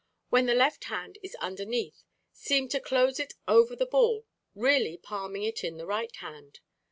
When the left hand is underneath, seem to close it over the ball, really palming it in the right hand.